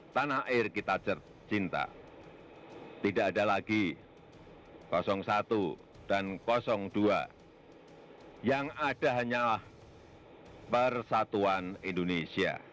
tanah air kita cinta tidak ada lagi satu dan dua yang ada hanyalah persatuan indonesia